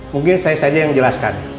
mungkin saya saja yang jelaskan